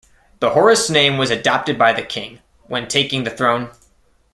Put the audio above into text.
The Horus name was adopted by the king, when taking the throne.